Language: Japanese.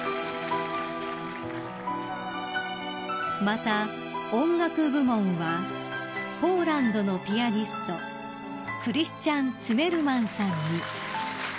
［また音楽部門はポーランドのピアニストクリスチャン・ツィメルマンさんに］